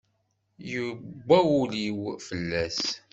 Yewwa wul-iw fell-as.